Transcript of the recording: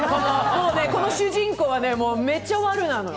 この主人公はめちゃ悪なのよ。